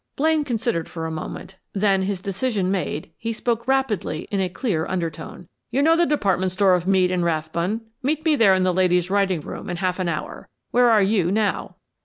Blaine considered for a moment; then, his decision made, he spoke rapidly in a clear undertone. "You know the department store of Mead & Rathbun? Meet me there in the ladies' writing room in half an hour. Where are you now?"